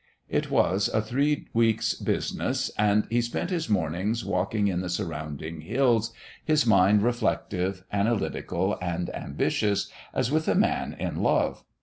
It was a three weeks' business, and he spent his mornings walking in the surrounding hills, his mind reflective, analytical, and ambitious, as with a man in love.